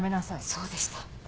そうでした。